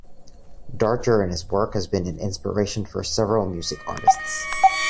Darger and his work have been an inspiration for several music artists.